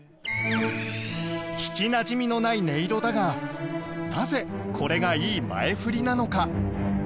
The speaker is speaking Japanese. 聴きなじみのない音色だがなぜこれがいい前フリなのか？